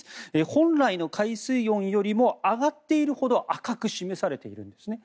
本来の海水温よりも上がっているほど赤く示されているんですね。